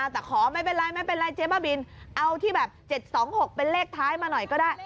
แต่ขอไม่เป็นไรไม่เป็นไรเจ๊บ้าบินเอาที่แบบ๗๒๖เป็นเลขท้ายมาหน่อยก็ได้